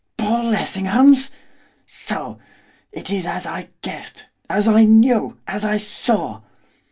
Paul Lessingham's! So! It is as I guessed, as I knew, as I saw!